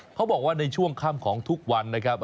เขาบอกว่าในช่วงค่ำของทุกวันนะครับ